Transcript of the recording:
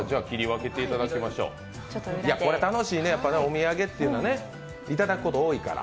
これ楽しいね、お土産っていうのは、いただくことが多いから。